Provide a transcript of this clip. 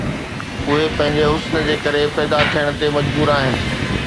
اهي پنهنجي حسن جي ڪري پيدا ٿيڻ تي مجبور آهن